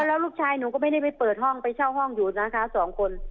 แล้วลูกชายหนูก็ไม่ได้ไปเปิดห้องไปเช่าห้องอยู่นะคะสองคน